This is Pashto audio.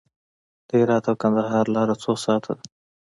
د هرات او کندهار لاره څو ساعته ده؟